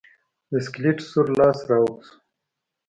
د سکلیټ سور لاس راوت شو.